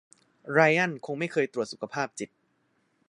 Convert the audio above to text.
ไรอันคงไม่เคยตรวจสุจภาพจิต